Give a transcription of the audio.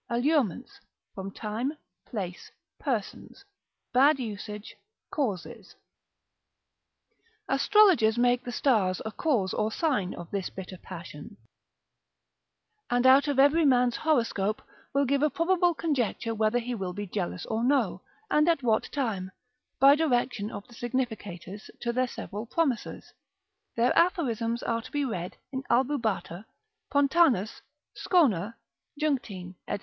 Allurements, from time, place, persons, bad usage, causes_. Astrologers make the stars a cause or sign of this bitter passion, and out of every man's horoscope will give a probable conjecture whether he will be jealous or no, and at what time, by direction of the significators to their several promissors: their aphorisms are to be read in Albubater, Pontanus, Schoner, Junctine, &c.